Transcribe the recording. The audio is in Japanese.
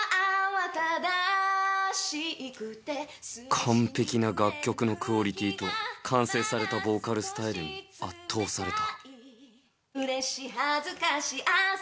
完璧な楽曲のクオリティーと、完成されたボーカルスタイルに圧倒された。